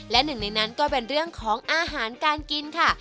และหนึ่งในนั้นก็เป็นเรื่องของอาหารการกินค่ะ